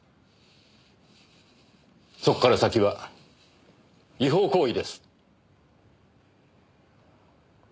そこから先は違法行為です。